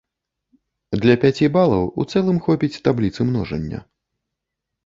Для пяці балаў у цэлым хопіць табліцы множання.